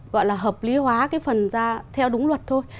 gọi là hợp lý hóa cái phần ra theo đúng luật thôi